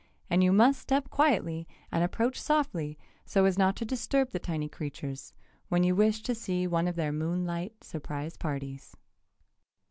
And you must step quietly and approach softly so as not to disturb the tiny creatures, when you wish to see one of their moonlight surprise parties.